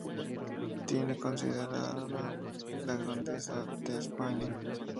Tiene concedida la Grandeza de España.